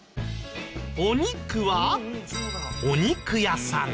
お肉はお肉屋さん。